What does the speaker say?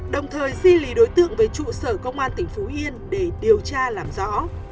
đồng thời di lý đối tượng về trụ sở công an tỉnh phú yên để điều tra làm rõ